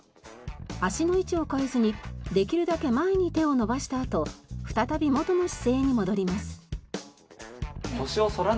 足の位置を変えずにできるだけ前に手を伸ばしたあと再び元の姿勢に戻ります。